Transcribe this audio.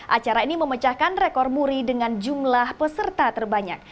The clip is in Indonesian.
acara ini memecahkan rekor muri dengan jumlah peserta terbanyak